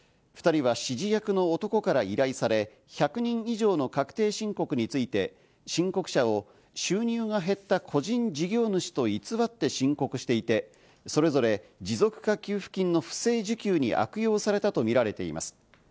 ２人は指示役の男から依頼され、１００人以上の確定申告書について、申告者を収入が減った個人事業主と偽って作成したとして、それぞれ持続化給付金の不正受給に悪用されたとみられています。